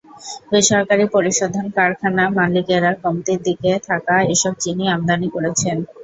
বেসরকারি পরিশোধন কারখানা মালিকেরা কমতির দিকে থাকা এসব চিনি আমদানি করেছেন।